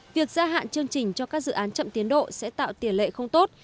việc gia hạn chương trình cho các dự án chậm tiến độ sẽ tạo tiền lệ không tốt